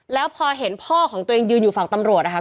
แล้วพอเห็นพ่อของตัวเองยืนอยู่ฝั่งตำรวจนะคะ